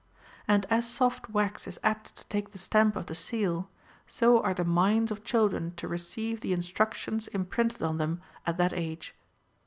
And as soft wax is apt to take the stamp of the seal, so are the OF THE TRAINING OF CHILDREN. V minds of children to receive the instructions imprinted on them at that age.